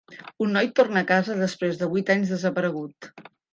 Un noi torna a casa després de vuit anys desaparegut.